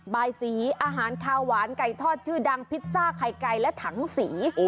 บายสีอาหารข้าวหวานไก่ทอดชื่อดังพิซซ่าไข่ไก่และถังสี